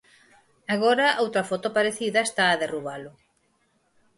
Agora outra foto parecida está a derrubalo.